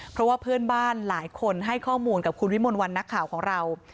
เพราะว่าเพื่อนบ้านหลายคนให้ข้อมูลกับคุณวิมลวันนักข่าวของเรา